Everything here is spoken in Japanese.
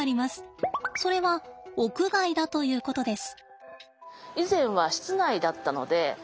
それは屋外だということです。